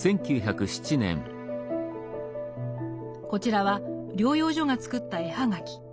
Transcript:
こちらは療養所が作った絵葉書。